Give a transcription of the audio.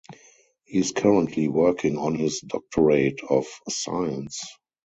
He is currently working on his Doctorate of Science.